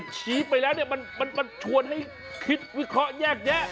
ชี้ไปแล้วเนี่ยมันชวนให้คิดวิเคราะห์แยกแยะ